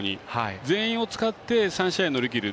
全員を使って３試合、乗り切る。